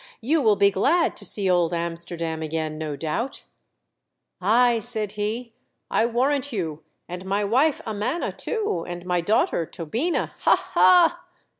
" You will be glad to see old Amsterdam again, no doubt !" "Ay," said he, "I warrant you; and my wife, Amana, too, and my daughter, Tobina, Ha! ha!"